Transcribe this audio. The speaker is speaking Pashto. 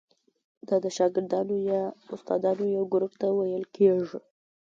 دا د شاګردانو یا استادانو یو ګروپ ته ویل کیږي.